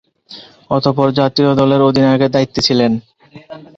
অতঃপর, জাতীয় দলের অধিনায়কের দায়িত্বে ছিলেন।